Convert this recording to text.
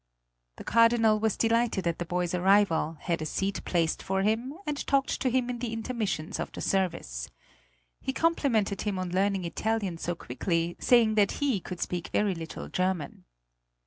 The Cardinal was delighted at the boy's arrival, had a seat placed for him, and talked to him in the intermissions of the service. He complimented him on learning Italian so quickly, saying that he could speak very little German.